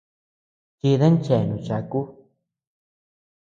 Chidan cheanós chaku.